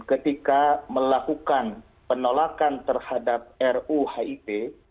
ketika melakukan penolakan terhadap ruhip